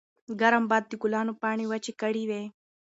ګرم باد د ګلانو پاڼې وچې کړې وې.